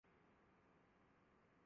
جانے کس پر ہو مہرباں قاتل